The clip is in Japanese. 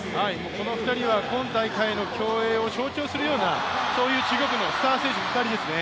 この２人は今大会の競泳を象徴するような、そういう中国のスター選手ですね。